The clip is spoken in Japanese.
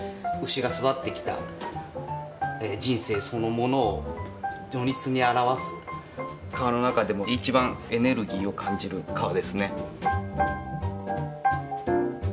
牛が育ってきた人生そのものを如実に表す革の中でも一番エネルギーを感じる革ですね。